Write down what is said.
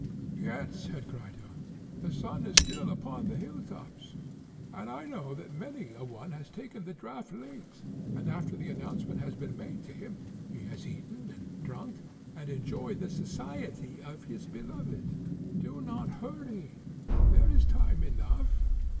Yet, said Crito, the sun is still upon the hill tops, and I know that many a one has taken the draught late, and after the announcement has been made to him, he has eaten and drunk, and enjoyed the society of his beloved; do not hurry—there is time enough.